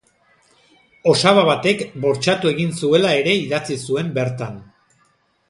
Osaba batek bortxatu egin zuela ere idatzi zuen bertan.